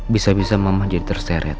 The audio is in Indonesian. bisa bisa mama jadi terseret